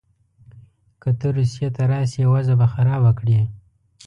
که ته روسیې ته راسې وضع به خرابه کړې.